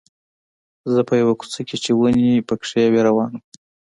زه په یوه کوڅه کې چې ونې پکې وې روان وم.